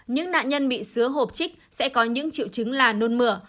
những nạn nhân bị xứa hộp trích sẽ có những triệu chứng là nôn mửa